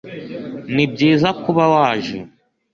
nibyiza kuba waje